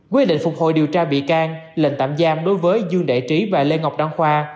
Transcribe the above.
quyết định phục hồi điều tra bị can lệnh tạm giam đối với dương đại trí và lê ngọc đăng khoa